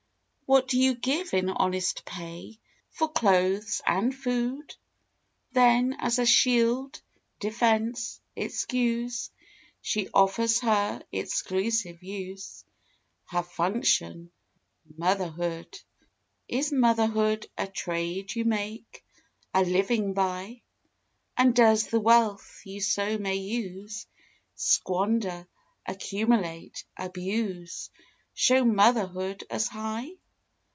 What do you give in honest pay For clothes and food? Then as a shield, defence, excuse, She offers her exclusive use Her function Motherhood! Is motherhood a trade you make A living by? And does the wealth you so may use, Squander, accumulate, abuse, Show motherhood as high?